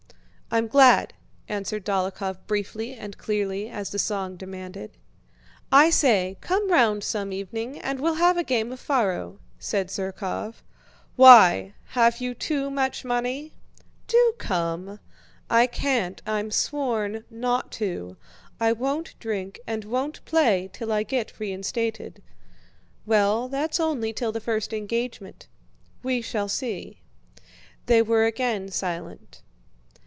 "I'm glad," answered Dólokhov briefly and clearly, as the song demanded. "I say, come round some evening and we'll have a game of faro!" said Zherkóv. "Why, have you too much money?" "Do come." "I can't. I've sworn not to. I won't drink and won't play till I get reinstated." "Well, that's only till the first engagement." "We shall see." They were again silent.